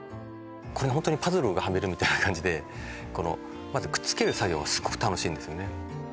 これがホントにパズルはめるみたいな感じでこのまずくっつける作業がすごく楽しいんですよね